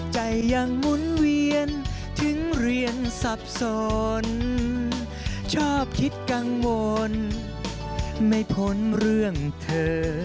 ใจยังหมุนเวียนถึงเรียนสับสนชอบคิดกังวลไม่พ้นเรื่องเธอ